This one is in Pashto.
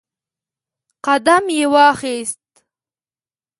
قدم یې واخیست